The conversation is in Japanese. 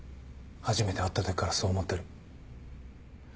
初めて会ったときからそう思ってる。